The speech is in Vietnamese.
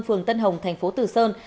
phường tân hồng thành phố tử sơn